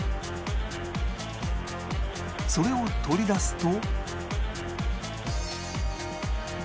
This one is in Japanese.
それを取り出すと